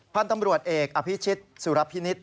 พันธุ์ตำรวจเอกอภิชิตสุรพินิษฐ